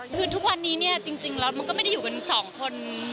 คือทุกวันนี้เนี่ยจริงแล้วมันก็ไม่ได้อยู่กันสองคน